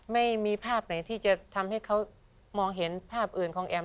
ไม่มีภาพไหนที่จะทำให้เขามองเห็นภาพอื่นของแอม